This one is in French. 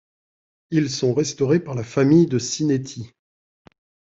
Ils sont restaurés par la famille de Sinéty.